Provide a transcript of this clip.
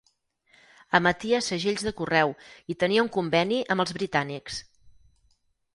Emetia segells de correu i tenia un conveni amb els britànics.